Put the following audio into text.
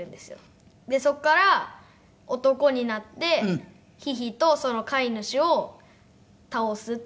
そこから男になって狒々とその飼い主を倒すっていう。